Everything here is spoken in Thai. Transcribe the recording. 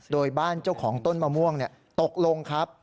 โดยบ้านเจ้าของต้นมะม่วงตกลงครับ